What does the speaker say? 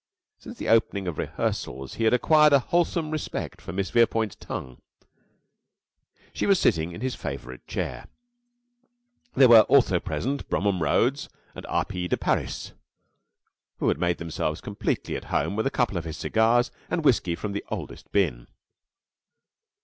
Since the opening of rehearsals he had acquired a wholesome respect for Miss Verepoint's tongue. She was sitting in his favorite chair. There were also present Bromham Rhodes and R. P. de Parys, who had made themselves completely at home with a couple of his cigars and whisky from the oldest bin.